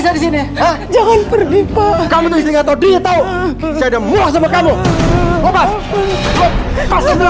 sekarang bapak diri kamu juga ninggalin kita